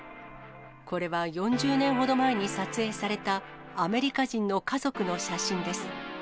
これは４０年ほど前に撮影されたアメリカ人の家族の写真です。